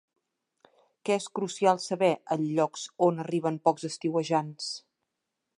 Què és crucial saber en llocs on arriben pocs estiuejants?